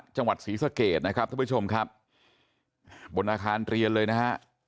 จังหวัดศรีสะเกดนะครับท่านผู้ชมครับบนอาคารเรียนเลยนะฮะ